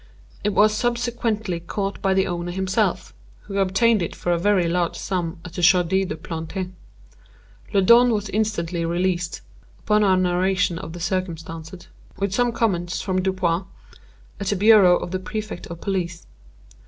It was subsequently caught by the owner himself, who obtained for it a very large sum at the Jardin des Plantes. Le Don was instantly released, upon our narration of the circumstances (with some comments from Dupin) at the bureau of the Prefect of Police.